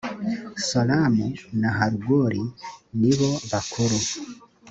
solamu na harugoli nibo bakuru.